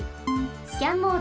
スキャンモード。